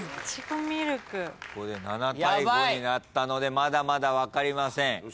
これで７対５になったのでまだまだ分かりません。